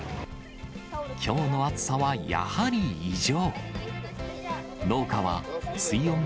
きょうの暑さはやはり異常。